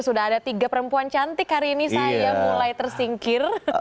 sudah ada tiga perempuan cantik hari ini saya mulai tersingkir